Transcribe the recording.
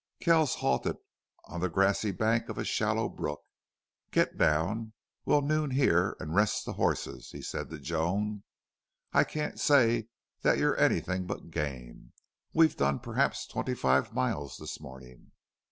Kells halted on the grassy bank of a shallow brook. "Get down. We'll noon here and rest the horses," he said to Joan. "I can't say that you're anything but game. We've done perhaps twenty five miles this morning."